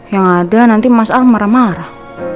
yang ada nanti mas al marah marah